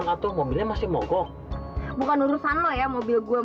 ketumbaran bukan pada sowhoa